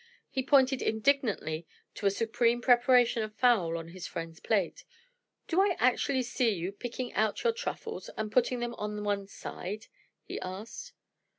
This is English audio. He pointed indignantly to a supreme preparation of fowl on his friend's plate. "Do I actually see you picking out your truffles, and putting them on one side?" he asked.